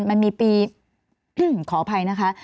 มันมีปีขออภัยนะคะ